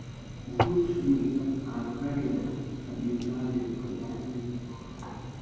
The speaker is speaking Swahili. kuhusu shughuli za al Qaeda na Bin Laden Waliacha nyuma watu